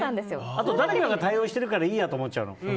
あと、誰かが頼りにしてるからいいやって思っちゃうの。